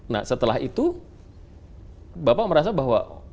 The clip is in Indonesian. nah setelah itu bapak merasa bahwa